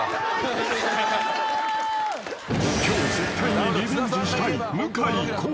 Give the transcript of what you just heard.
［今日絶対にリベンジしたい］